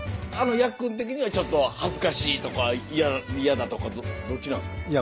ヤックン的にはちょっと恥ずかしいとか嫌だとかどっちなんですか？